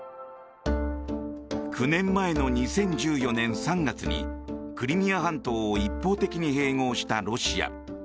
９年前の２０１４年３月にクリミア半島を一方的に併合したロシア。